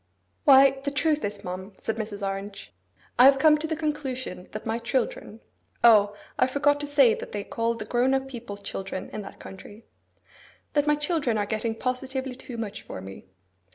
'Why, the truth is, ma'am,' said Mrs. Orange, 'I have come to the conclusion that my children,'—O, I forgot to say that they call the grown up people children in that country!—'that my children are getting positively too much for me.